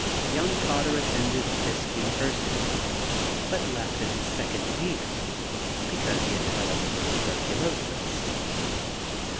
Young Cotter attended Fisk University but left in his second year because he had developed tuberculosis.